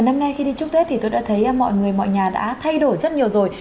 năm nay khi đi chúc tết thì tôi đã thấy mọi người mọi nhà đã thay đổi rất nhiều rồi